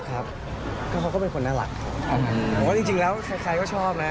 ครับครับเขาก็เป็นคนน่ารักอืมผมว่าจริงจริงแล้วใครใครก็ชอบนะ